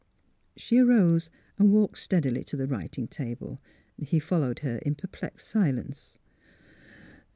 She arose and walked steadily to the writing table. He followed her, in perplexed silence.